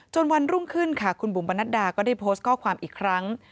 วันรุ่งขึ้นค่ะคุณบุ๋มปนัดดาก็ได้โพสต์ข้อความอีกครั้ง